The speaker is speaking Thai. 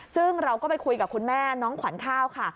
ซึ่งเราก็ไปคุยกับคุณแม่น้องขวัญข้าวค่ะ